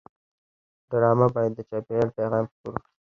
ډرامه باید د چاپېریال پیغام خپور کړي